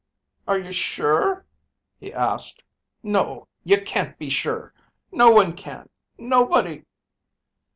"Are you sure?" he asked. "No. You can't be sure. No one can. Nobody...."